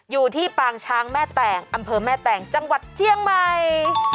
ปางช้างแม่แตงอำเภอแม่แตงจังหวัดเชียงใหม่